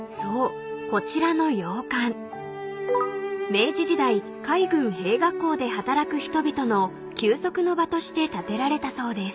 明治時代海軍兵学校で働く人々の休息の場として建てられたそうです］